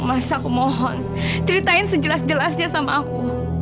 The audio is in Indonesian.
masa aku mohon ceritain sejelas jelasnya sama aku